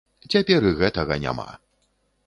Цяпер і гэтага няма.